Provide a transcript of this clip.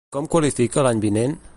Com qualifica l'any vinent?